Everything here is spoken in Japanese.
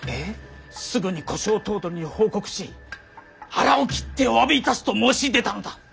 すぐに小姓頭取に報告し腹を切っておわびいたすと申し出たのだ。